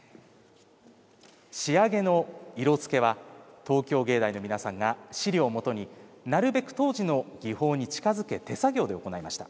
仕上げの色づけは東京藝大の皆さんが資料をもとになるべく当時の技法に近づけ手作業で行いました。